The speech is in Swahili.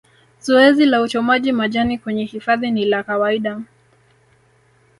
Zoezi la uchomaji majani kwenye hifadhi ni la kawaida